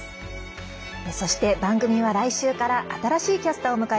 そして、番組は来週から新しいキャスターを迎えます。